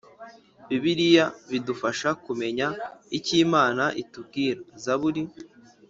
Bibiliya bidufasha kumenya icyo Imana itubwira Zaburi